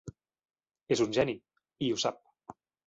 És un geni, i ho sap.